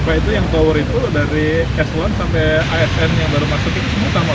pak itu yang tower itu dari ks satu sampai asn yang baru masuk itu semua tamu pak